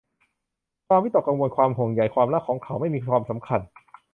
ความวิตกกังวล ความห่วงใย ความรักของเขาไม่มีความสำคัญ